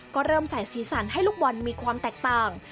ก็เริ่มใส่สีสันให้ลูกบอลมีความแตกต่าง